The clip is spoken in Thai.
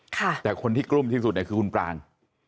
แต่คนที่กลุ้มที่สุดเนี่ยคือคุณปราง